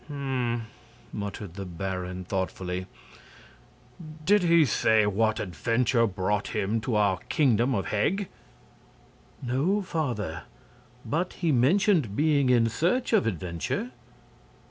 "Hm!" muttered the baron, thoughtfully. "Did he say what adventure brought him to our Kingdom of Heg?" "No, father. But he mentioned being in search of adventure."